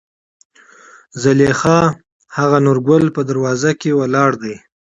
زليخا : هغه نورګل په دروازه کې ولاړ دى.